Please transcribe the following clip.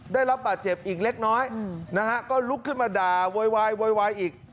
ได้รับบาดเจ็บอีกเล็กน้อยนะฮะก็ลุกขึ้นมาด่าโวยวายโวยวายอีก